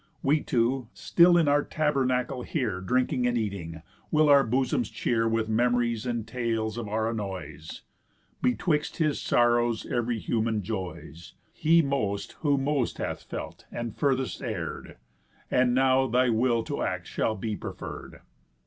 We two, still in our tabernacle here Drinking and eating, will our bosoms cheer With memories and tales of our annoys. Betwixt his sorrows ev'ry human joys, He most, who most hath felt and furthest err'd. And now thy will to act shall be preferr'd.